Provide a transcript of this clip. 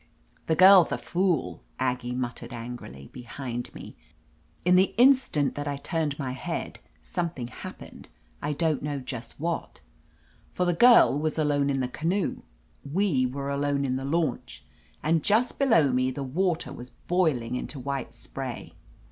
"The girlth a fool," Aggie muttered angrily, behind me. In the instant that I turned my head, something happened — ^I don't know just what For the girl was alone in the canoe, we 336 _j / OF LETITIA CARBERRY were alone in the launch, and just below me the water was boiling into white spray.